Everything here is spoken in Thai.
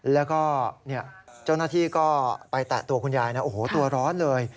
แล้วก็เจ้าหน้าที่ก็ไปแตะตัวคุณยายนะโอ้โหตัวร้อนเลย